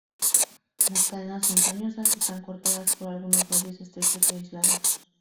Las cadenas montañosas están cortadas por algunos valles estrechos y aislados.